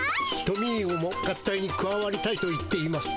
トミーゴも合体にくわわりたいと言っています。